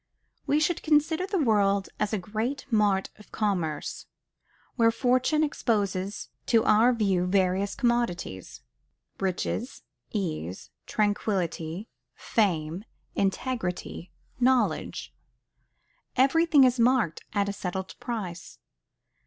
We should consider this world as a great mart of commerce, where fortune exposes to our view various commodities, riches, ease, tranquillity, fame, integrity, knowledge. Everything is marked at a settled price.